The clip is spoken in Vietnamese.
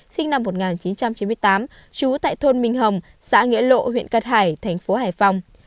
sinh năm một nghìn chín trăm chín mươi tám trú tại thôn minh hồng xã nghĩa lộ huyện cát hải thành phố hải phòng